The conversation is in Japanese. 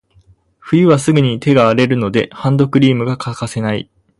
冬はすぐに手が荒れるので、ハンドクリームが欠かせない。